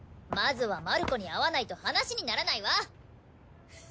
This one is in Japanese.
まずはマルコに会わないと話にならないわ！